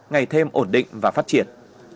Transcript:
ngày thêm ổn định và phát triển